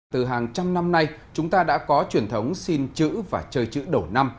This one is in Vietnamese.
từ hàng trăm năm nay chúng ta đã có truyền thống xin chữ và chơi chữ đầu năm